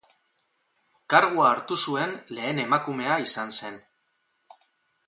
Kargua hartu zuen lehen emakumea izan zen.